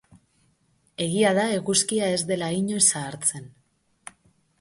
Egia da eguzkia ez dela inoiz zahartzen.